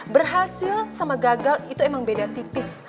berhasil sama gagal itu emang beda tipis